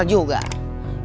dia juga tetap